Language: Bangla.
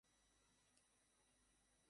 মনে আছে তাকে তুমি কতটা করে চেয়েছিলে?